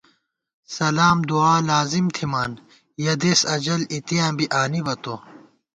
سلام دُعالازِم تھِمان، یَہ دېس اجل اِتیاں بی آنِبہ تو